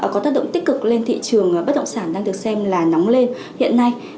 có tác động tích cực lên thị trường bất động sản đang được xem là nóng lên hiện nay